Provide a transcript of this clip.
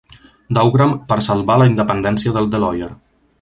Dougram per salvar la independència del Deloyer!